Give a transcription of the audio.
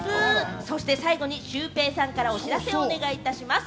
そして最後にシュウペイさんからお知らせをお願いいたします。